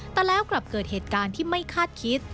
แต่แล้วกลับเกิดเหตุการณ์ที่ไม่คาดคิด